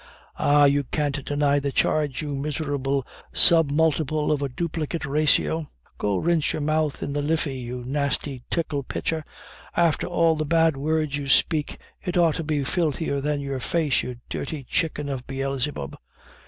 "Ah, you can't deny the charge, you miserable submultiple of a duplicate ratio." "Go, rinse your mouth in the Liffey, you nasty tickle pitcher; after all the bad words you speak, it ought to be filthier than your face, you dirty chicken of Beelzebub."